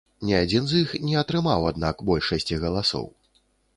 Ні адзін з іх не атрымаў, аднак, большасці галасоў.